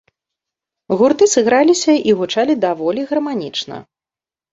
Гурты сыграліся і гучалі даволі гарманічна.